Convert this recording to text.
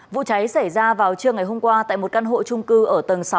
vụ cháy xảy ra vào trưa ngày hôm qua tại một căn hộ trung cư ở tầng sáu